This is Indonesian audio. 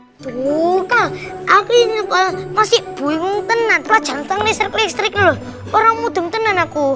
tuh kak aku ini masih bingung kena tuh jantung listrik listrik loh orang mudeng kena aku